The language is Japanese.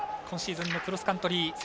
今シーズンのクロスカントリー